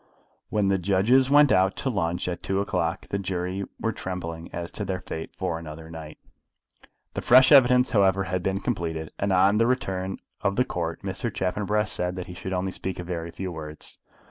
When the judges went out to lunch at two o'clock the jury were trembling as to their fate for another night. The fresh evidence, however, had been completed, and on the return of the Court Mr. Chaffanbrass said that he should only speak a very few words.